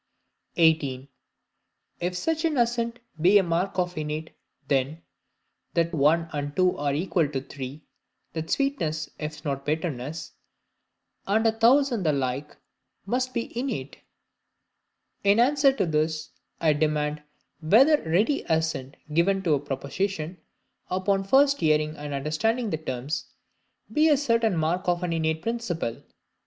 18. If such an Assent be a Mark of Innate, then "that one and two are equal to three, that Sweetness is not Bitterness," and a thousand the like, must be innate. In answer to this, I demand whether ready assent given to a proposition, upon first hearing and understanding the terms, be a certain mark of an innate principle?